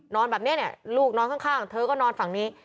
นอนแบบนี้เนี่ยลูกนอนข้างเธอก็นอนฝั่งนี้